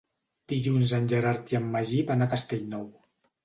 Dilluns en Gerard i en Magí van a Castellnou.